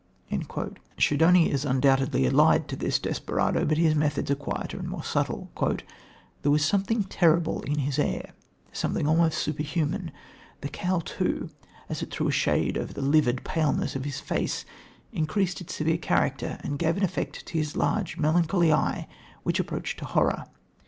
Schedoni is undoubtedly allied to this desperado, but his methods are quieter and more subtle: "There was something terrible in his air, something almost superhuman. The cowl, too, as it threw a shade over the livid paleness of his face increased its severe character and gave an effect to his large, melancholy eye which approached to horror